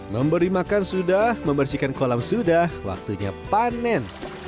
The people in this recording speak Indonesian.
memberi makan sudah membersihkan kolam sudah waktunya panen